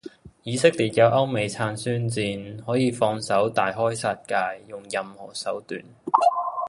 以色列有歐美撐宣戰,可以放手大開殺界，用任何手段。